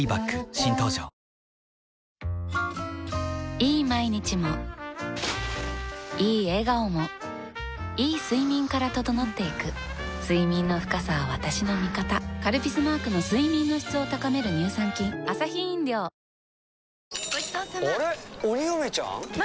いい毎日もいい笑顔もいい睡眠から整っていく睡眠の深さは私の味方「カルピス」マークの睡眠の質を高める乳酸菌うわ